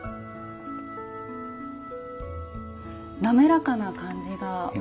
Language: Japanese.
滑らかな感じが。